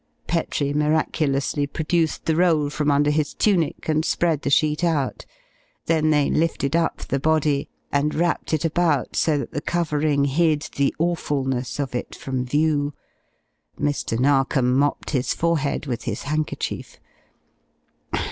Petrie miraculously produced the roll from under his tunic and spread the sheet out. Then they lifted up the body and wrapped it about so that the covering hid the awfulness of it from view. Mr. Narkom mopped his forehead with his handkerchief.